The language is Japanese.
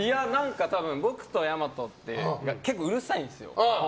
多分、僕とやまとって結構うるさいんですよ。